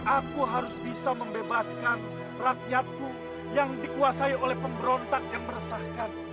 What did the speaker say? aku harus bisa membebaskan rakyatku yang dikuasai oleh pemberontak yang meresahkan